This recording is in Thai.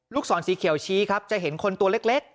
ศรสีเขียวชี้ครับจะเห็นคนตัวเล็ก